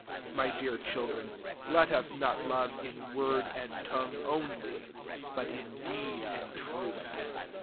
18 [Afy] dear children, let us not love in word and tongue only, but in deed and truth.